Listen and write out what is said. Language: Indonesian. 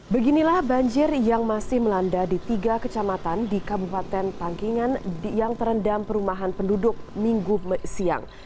beginilah banjir yang masih melanda di tiga kecamatan di kabupaten tangkingan yang terendam perumahan penduduk minggu siang